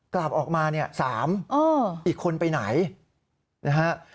กลับออกมาเนี่ย๓อีกคนไปไหนนะฮะ